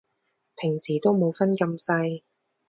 平時都冇分咁細